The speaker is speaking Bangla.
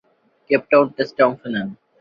কেপ টাউন টেস্টে অংশ নেন।